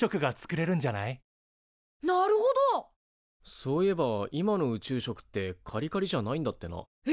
そういえば今の宇宙食ってカリカリじゃないんだってな。え！？